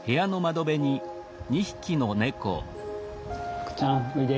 ふくちゃんおいで。